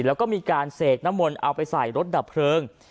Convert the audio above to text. แล้วก็มีการเสกน้ำมนต์เอาไปใส่รถดับเพลิง